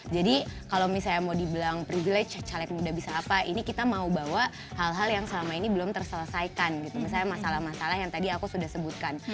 kalau misalnya mau dibilang privilege caleg muda bisa apa ini kita mau bawa hal hal yang selama ini belum terselesaikan gitu misalnya masalah masalah yang tadi aku sudah sebutkan